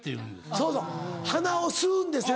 そうそうはなを吸うんですよ